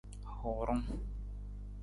Huurung.